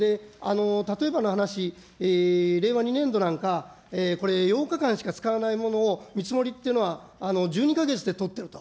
例えばの話、令和２年度なんかは、これ、８日間しか使わないものを見積もりっていうのは、１２か月で取ってると。